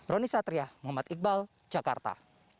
roni satria muhammad iqbal jakarta